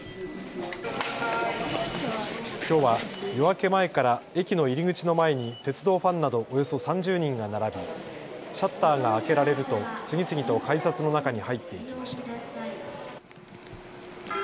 きょうは夜明け前から駅の入り口の前に鉄道ファンなどおよそ３０人が並びシャッターが開けられると次々と改札の中に入っていきました。